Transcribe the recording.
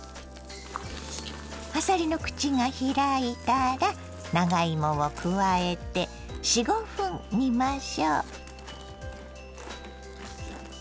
あさりの口が開いたら長芋を加えて４５分煮ましょ。